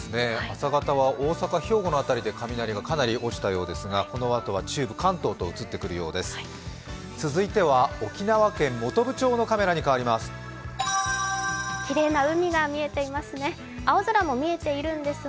朝方は大阪、兵庫の辺りで雷がかなり落ちたようですがこのあとは中部、関東と移ってくるようです。